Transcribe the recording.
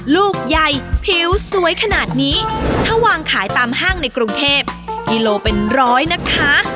ลูกใหญ่ผิวสวยขนาดนี้ถ้าวางขายตามห้างในกรุงเทพกิโลเป็นร้อยนะคะ